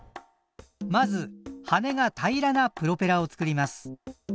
まず羽根が平らなプロペラを作ります。